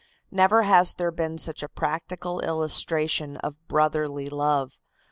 Never has there been such a practical illustration of brotherly love.